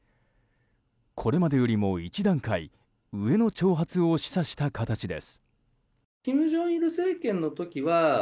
これまでよりも一段階上の挑発を示唆した形です。